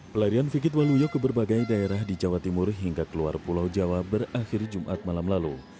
pelarian fikit waluyo ke berbagai daerah di jawa timur hingga keluar pulau jawa berakhir jumat malam lalu